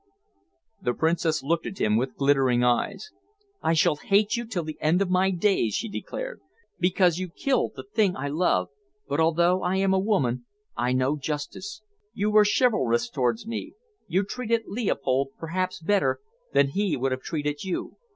The Princess looked at him with glittering eyes. "I shall hate you to the end of my days," she declared, "because you have killed the thing I love, but although I am a woman, I know justice. You were chivalrous towards me. You treated Leopold perhaps better than he would have treated you.